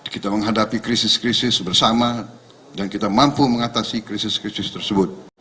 kita menghadapi krisis krisis bersama dan kita mampu mengatasi krisis krisis tersebut